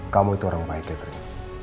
kamu itu orang baiknya terima